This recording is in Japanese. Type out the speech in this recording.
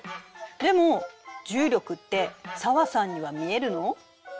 でも重力って紗和さんには見えるの？